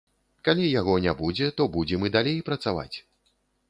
Калі яго не будзе, то будзем і далей працаваць.